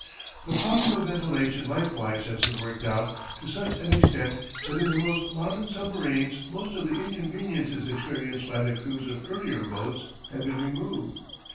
The problem of ventilation likewise has been worked out to such an extent that in the most modern submarines most of the inconveniences experienced by the crews of earlier boats have been removed.